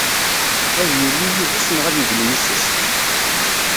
Ad yili yid-s, neɣ ad yeglu yis-s.